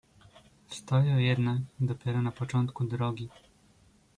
"Stoję jednak dopiero na początku drogi!"